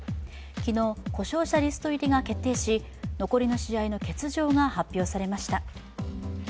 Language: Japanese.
昨日、故障者リスト入りが決定し、残りの試合の欠場が発表されました。